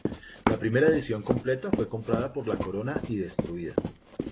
La primera edición completa fue comprada por la corona y destruida.